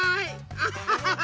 アハハハッ。